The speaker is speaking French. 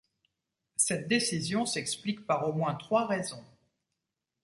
Cette décision s'explique par au moins trois raisons.